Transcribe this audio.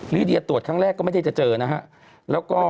ลิเดียตรวจครั้งแรกก็ไม่ได้จะเจอนะฮะแล้วก็